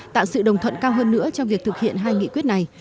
tạo sự đồng thuận cao hơn nữa trong việc thực hiện hai nghị quyết này